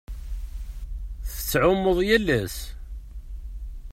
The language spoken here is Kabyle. Tettɛummuḍ yal ass?